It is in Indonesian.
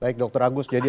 baik dr agus